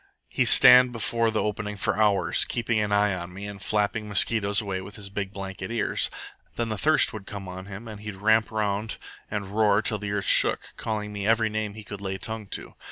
He'd stand before the opening for hours, keeping an eye on me and flapping mosquitoes away with his big blanket ears. Then the thirst would come on him and he'd ramp round and roar till the earth shook, calling me every name he could lay tongue to.